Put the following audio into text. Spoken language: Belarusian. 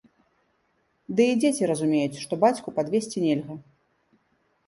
Ды і дзеці разумеюць, што бацьку падвесці нельга.